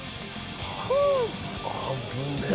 危ねえ。